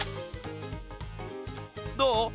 どう？